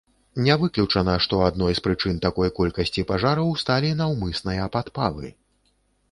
Не выключана, што адной з прычын такой колькасці пажараў сталі наўмысныя падпалы.